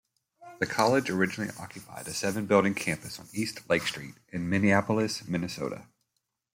The college originally occupied a seven-building campus on East Lake Street in Minneapolis, Minnesota.